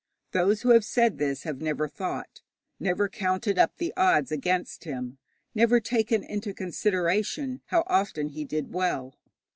Those who have said this have never thought, never counted up the odds against him, never taken into consideration how often he did well.